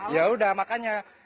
ya udah makanya